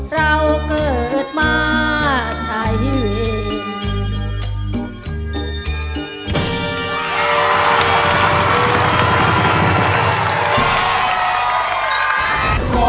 เราเกิดมาใช้เอง